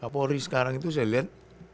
polri sekarang itu saya lihat